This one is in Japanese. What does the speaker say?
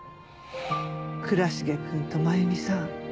倉重くんと真弓さん